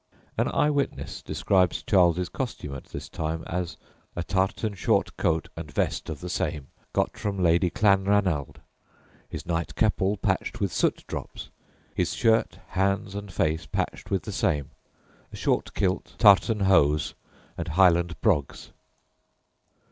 An eye witness describes Charles's costume at this time as "a tartan short coat and vest of the same, got from Lady Clanranald; his nightcap all patched with soot drops, his shirt, hands, and face patched with the same; a short kilt, tartan hose, and Highland brogs."